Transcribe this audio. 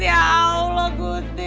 ya allah gusti